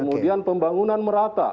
kemudian pembangunan merata